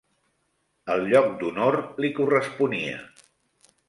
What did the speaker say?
El lloc d'honor li corresponia